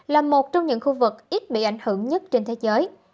là một trong những khu vực ít bị ảnh hưởng nhất trên thế giới